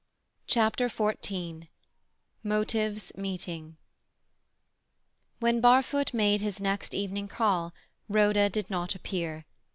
CHAPTER XIV MOTIVES MEETING When Barfoot made his next evening call Rhoda did not appear.